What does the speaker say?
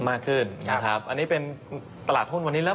มากขึ้นนะครับอันนี้เป็นตลาดหุ้นวันนี้แล้ว